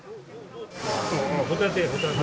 ああ、ホタテ、ホタテ。